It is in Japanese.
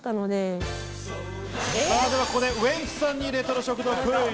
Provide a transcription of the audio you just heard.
ここでウエンツさんにレトロ食堂クイズ！